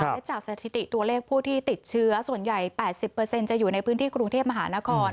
และจากสถิติตัวเลขผู้ที่ติดเชื้อส่วนใหญ่๘๐จะอยู่ในพื้นที่กรุงเทพมหานคร